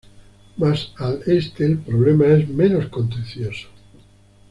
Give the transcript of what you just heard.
Más al este, el problema es menos contencioso.